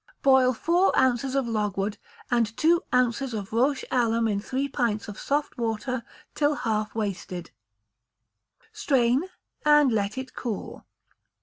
Boil four ounces of logwood and two ounces of roche alum in three pints of soft water till half wasted; strain, and let it cool.